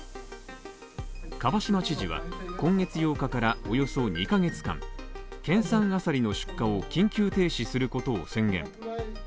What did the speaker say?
蒲島知事は今月８日からおよそ２カ月間県産アサリの出荷を緊急停止することを宣言。